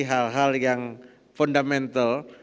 hal hal yang fundamental